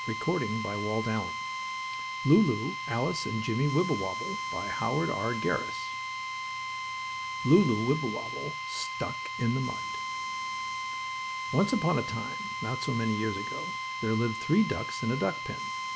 LULU, ALICE AND JIMMIE WIBBLEWOBBLE STORY I LULU WIBBLEWOBBLE STUCK IN THE MUD Once upon a time, not so very many years ago, there lived three ducks in a duck pen.